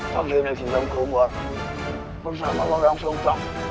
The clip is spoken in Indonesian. takutnya kita keluar bersama orang seutang